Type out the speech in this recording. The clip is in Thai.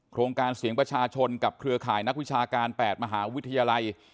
โครงการเสียงประชาชนกับเครือข่ายนักวิชาการ๘มหาวิทยาลัย